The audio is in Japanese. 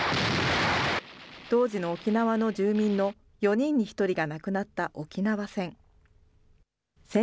当時の沖縄の住民の４人に１人が亡くなった沖縄戦。